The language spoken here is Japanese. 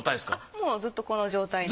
もうずっとこの状態です。